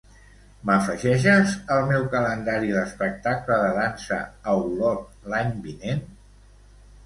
M'afegeixes al meu calendari l'espectacle de dansa a Olot l'any vinent?